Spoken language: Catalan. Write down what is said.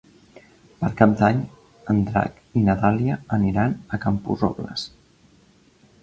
Per Cap d'Any en Drac i na Dàlia aniran a Camporrobles.